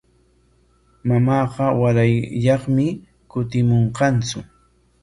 Mamaama warayyaqmi kutimunqatsu.